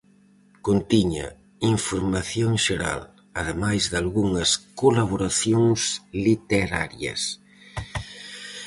Contiña información xeral, ademais dalgunhas colaboracións literarias.